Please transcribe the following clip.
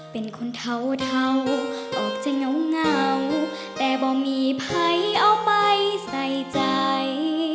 เป็นคนเทาออกจะเหงาแต่บ่มีภัยเอาไปใส่ใจ